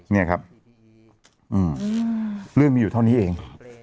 นี่ครับเรื่องมีอยู่เท่านี้เอง